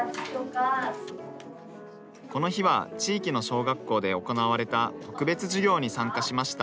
この日は地域の小学校で行われた特別授業に参加しました。